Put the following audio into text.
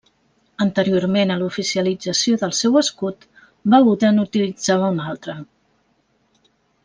Anteriorment a l'oficialització del seu escut, Beuda n'utilitzava un altre.